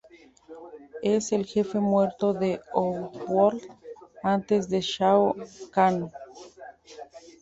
Es el jefe muerto del Outworld, antes de Shao Kahn.